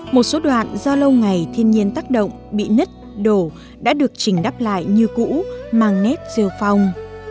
một số đoạn do lâu ngày thiên nhiên tác động bị nứt đổ đã được trình đắp lại như cũ mang nét gieo phong